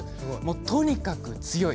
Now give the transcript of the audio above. とにかく強い。